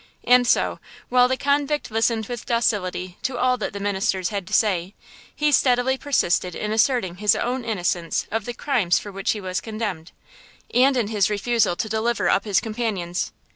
And so, while the convict listened with docility to all that the ministers had to say, he steadily persisted in asserting his own innocence of the crimes for which he was condemned, and in his refusal to deliver up his companions.